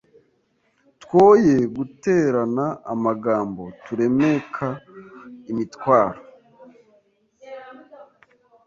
Twoye guterana amagambo turemeka imitwaro